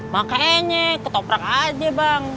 makanya ketoprak aja bang